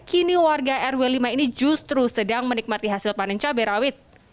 kini warga rw lima ini justru sedang menikmati hasil panen cabai rawit